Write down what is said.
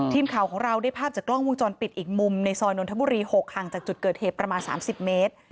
ทีมข่าวของเราได้ภาพจากกล้องวงจรปิดอีกมุมในซอยนนทบุรี๖ห่างจากจุดเกิดเหตุประมาณ๓๐เมตร